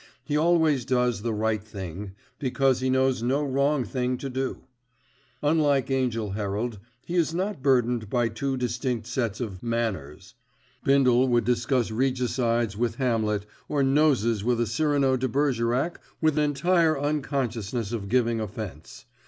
He always does the right thing, because he knows no wrong thing to do. Unlike Angell Herald, he is not burdened with two distinct sets of "manners." Bindle would discuss regicides with Hamlet, or noses with a Cyrano de Bergerac with entire unconsciousness of giving offence.